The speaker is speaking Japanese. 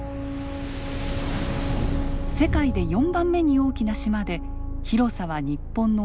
世界で４番目に大きな島で広さは日本のおよそ１．６倍。